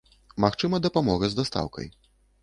Магчыма дапамога з дастаўкай.